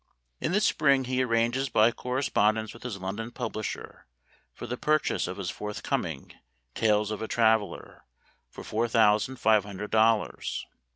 In the spring he arranges, by correspond ence with his London publisher, for the pur chase of his forthcoming " Tales of a Traveler," for four thousand five hundred dollars.